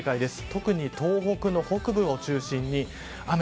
特に東北の北部を中心に雨。